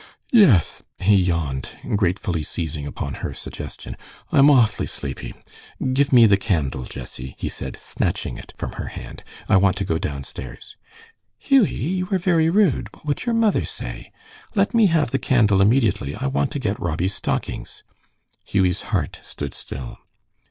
"Yes," he yawned, gratefully seizing upon her suggestion. "I'm awfully sleepy. Give me the candle, Jessie," he said, snatching it from her hand. "I want to go downstairs." "Hughie, you are very rude. What would your mother say? Let me have the candle immediately, I want to get Robbie's stockings." Hughie's heart stood still.